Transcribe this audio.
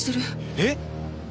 えっ！？